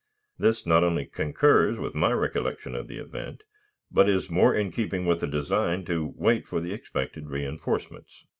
This not only concurs with my recollection of the event, but is more in keeping with the design to wait for the expected reënforcements.